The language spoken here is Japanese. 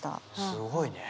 すごいねえ。